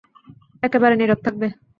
একেবারে নীরব থাকবে।